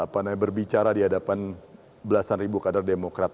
dan berbicara di hadapan belasan ribu kader demokrat